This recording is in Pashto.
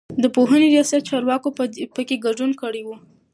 د پوهنې رياست چارواکو په کې ګډون کړی و.